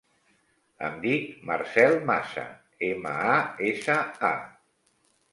Em dic Marcèl Masa: ema, a, essa, a.